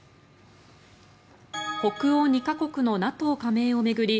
北欧２か国のＮＡＴＯ加盟を巡り